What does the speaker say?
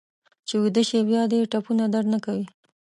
چې ویده شې بیا دې ټپونه درد نه کوي.